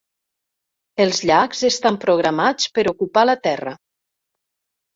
Els llacs estan programats per ocupar la terra.